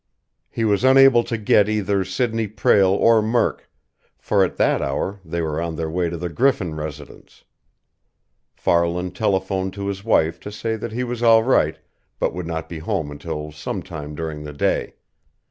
He was unable to get either Sidney Prale or Murk, for at that hour they were on their way to the Griffin residence. Farland telephoned to his wife to say that he was all right, but would not be home until some time during the day.